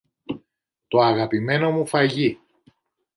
Το αγαπημένο μου φαγί!